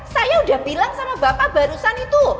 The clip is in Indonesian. saya udah bilang sama bapak barusan itu